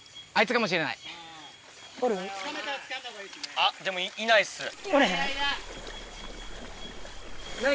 あっでもいないっす。おれへん？